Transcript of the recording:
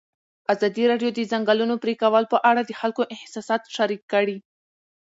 ازادي راډیو د د ځنګلونو پرېکول په اړه د خلکو احساسات شریک کړي.